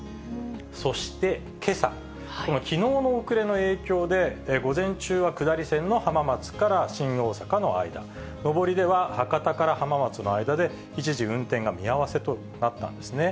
そしてけさ、このきのうの遅れの影響で、午前中は下り線の浜松から新大阪の間、上りでは博多から浜松の間で、一時運転が見合わせとなったんですね。